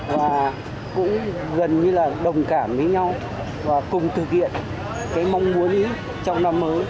và cũng gần như là đồng cảm với nhau và cùng thực hiện cái mong muốn trong năm mới